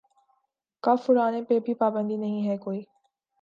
کف اُڑانے پہ بھی پابندی نہیں ہے کوئی